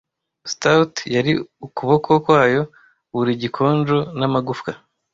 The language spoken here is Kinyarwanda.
'Stout yari ukuboko kwayo, buri gikonjo n'amagufwa